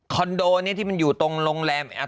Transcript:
โดนี้ที่มันอยู่ตรงโรงแรม